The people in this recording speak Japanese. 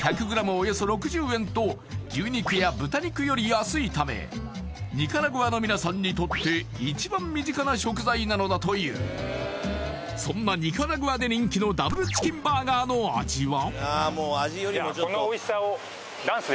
およそ６０円と牛肉や豚肉より安いためニカラグアの皆さんにとって一番身近な食材なのだというそんなニカラグアで人気のダブルチキンバーガーの味は？